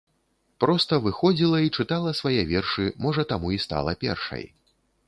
Проста выходзіла і чытала свае вершы, можа таму і стала першай.